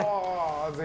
ぜひ。